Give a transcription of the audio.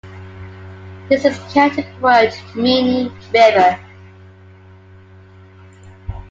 This is a Celtic word meaning 'river'.